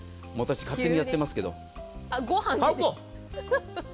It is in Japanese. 勝手にやってますけど。